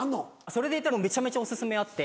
それでいったらめちゃめちゃお薦めあって。